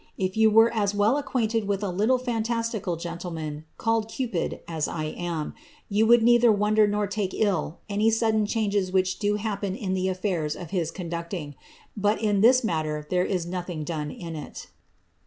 If you were as well acquainted with a little &d gen tlemaiM called Cupid as I am, you would neither wonder n< ill any suaden changes which do happen in the affiurs of his cone but in this matter there is nothing done in it."'